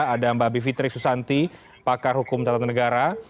ada mbak bivitri susanti pakar hukum tata negara